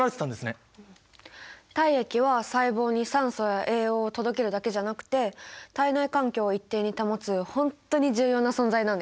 体液は細胞に酸素や栄養を届けるだけじゃなくて体内環境を一定に保つ本当に重要な存在なんですね。